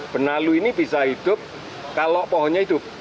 benalu ini bisa hidup kalau pohonnya hidup